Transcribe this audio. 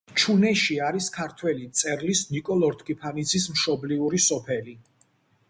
ჩუნეში არის ქართველი მწერლის ნიკო ლორთქიფანიძის მშობლიური სოფელი.